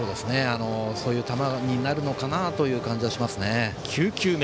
そういう球になるのかなという感じがしますね。